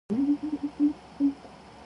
Refined jojoba oil is colorless and odorless.